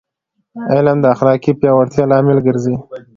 علم د اخلاقي پیاوړتیا لامل ګرځي.